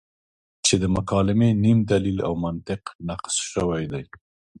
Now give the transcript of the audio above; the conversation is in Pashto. چې د مکالمې نیم دلیل او منطق نقص شوی دی.